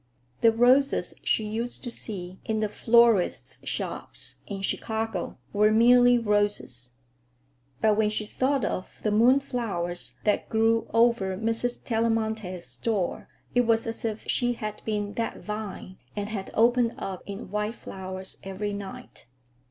The roses she used to see in the florists' shops in Chicago were merely roses. But when she thought of the moonflowers that grew over Mrs. Tellamantez's door, it was as if she had been that vine and had opened up in white flowers every night.